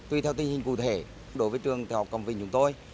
tuy theo tình hình cụ thể đối với trường tiểu học cẩm vịnh chúng tôi